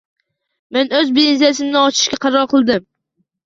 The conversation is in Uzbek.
Men oʻz biznesimni ochishga qaror qildim.